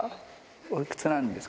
おいくつなんですか？